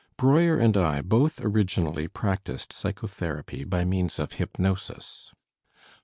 Breuer and I both originally practiced psycho therapy by means of hypnosis.